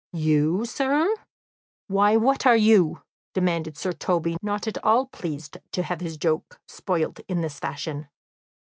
"You, sir! Why, what are you?" demanded Sir Toby, not at all pleased to have his joke spoilt in this fashion.